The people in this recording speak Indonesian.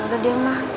yaudah deh ma